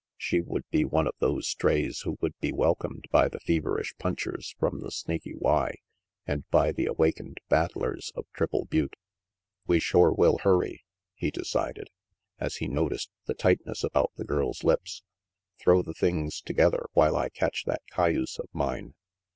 She would be one of those strays who would be welcomed by the feverish punchers RANGY PETE 135 from the Snaky Y and by the awakened battlers of Triple Butte. "We shore will hurry," he decided, as he noticed the tightness about the girl's lips. "Throw the things together while I catch that cayuse of mine."